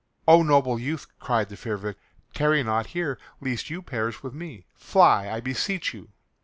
"Oh noble youth," cried the fair victim, "tarry not here lest you perish with me. Fly, I beseech you."